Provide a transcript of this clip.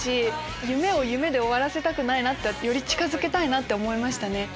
夢を夢で終わらせない近づけたいなって思いましたね。